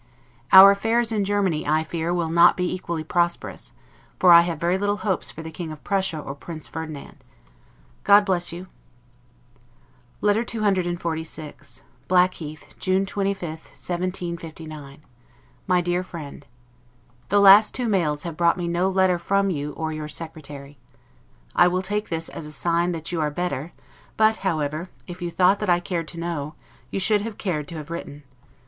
Our affairs in Germany, I fear, will not be equally prosperous; for I have very little hopes for the King of Prussia or Prince Ferdinand. God bless you. LETTER CCXLVI BLACKHEATH, June 25, 1759 MY DEAR FRIEND: The two last mails have brought me no letter from you or your secretary. I will take this as a sign that you are better; but, however, if you thought that I cared to know, you should have cared to have written.